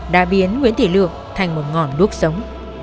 đã biến nguyễn thị lượng thành một ngọn đuốc sống